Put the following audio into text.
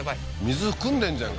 水含んでんじゃん